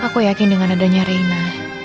aku yakin dengan adanya reina